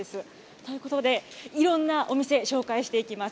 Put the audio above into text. ということで、いろんなお店、紹介していきます。